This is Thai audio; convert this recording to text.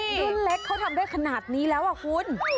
รุ่นเล็กเขาแบบนี้แล้วอ่ะครับ